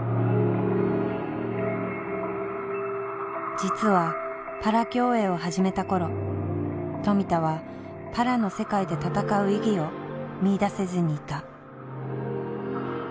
実はパラ競泳を始めた頃富田はパラの世界で戦う意義を見いだせずにいた。